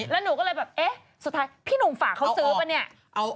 แล้วหนูก็เลยแบบเอ๊ะสุดท้ายพี่หนุ่มฝากเขาซื้อป่ะเนี่ย